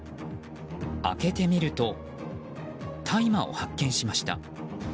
開けてみると大麻を発見しました。